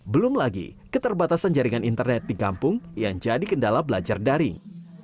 belum lagi keterbatasan jaringan internet di kampung yang jadi kendala belajar daring